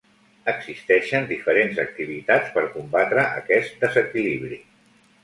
Existeixen diferents activitats per combatre aquest desequilibri.